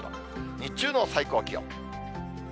日中の最高気温。